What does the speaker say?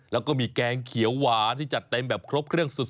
แล้วก็มีแกงเขียวหวานที่จัดเต็มแบบครบเครื่องสุด